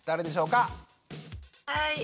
はい！